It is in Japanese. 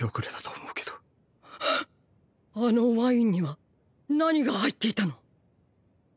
あのワインには何が入っていたの？